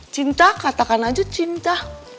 cinta katakan aja cinta